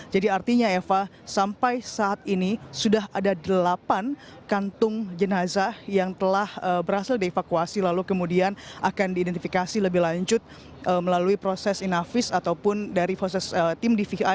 jadi artinya eva sampai saat ini sudah ada delapan kantung jenazah yang telah berhasil di evakuasi lalu kemudian akan diidentifikasi lebih lanjut melalui proses inavis ataupun dari proses tim dvi